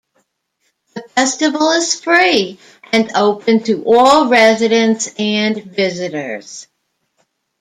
The festival is free and open to all residents and visitors.